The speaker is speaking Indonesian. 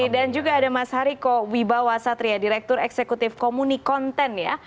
dan juga ada mas hariko wibawa satria direktur eksekutif komuni konten ya